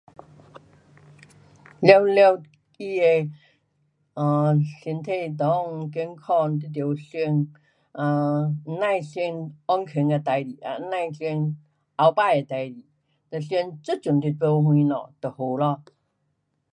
全部他的 um 身体内健康你得想，um 别想以前的事情，别想以后的事情，想这阵的事情就好了。